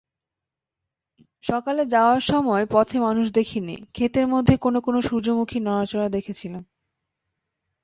সকালে যাওয়ার সময় পথে মানুষ দেখিনি, খেতের মধ্যে কোনো কোনো সূর্যমুখীর নড়াচড়া দেখেছিলাম।